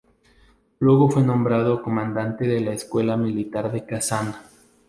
Luego fue nombrado Comandante de la Escuela Militar de Kazán.